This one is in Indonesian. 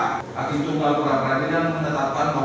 haki tunggal kurang rakyat dan menetapkan bahwa